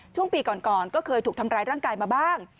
ช่วงปีก่อนก็เคยถูกทำร้ายร่างกายมาบ้าง